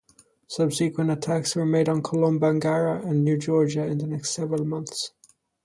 Subsequent attacks were made on Kolombangara and New Georgia in the next several months.